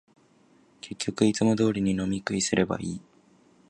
結局、いつも通りに飲み食いすればいい